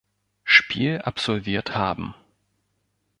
Spiel absolviert haben.